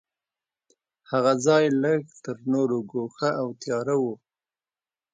هغه ځای لږ تر نورو ګوښه او تیاره و.